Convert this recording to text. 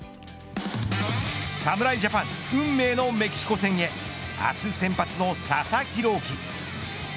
侍ジャパン運命のメキシコ戦へ明日先発の佐々木朗希。